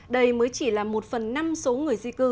đây mới chỉ là một phần năm số người di cư